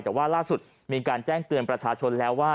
แต่ว่าล่าสุดมีการแจ้งเตือนประชาชนแล้วว่า